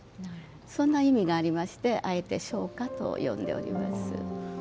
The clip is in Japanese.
そんな意味がありましてあえて、しょうかと呼んでおります。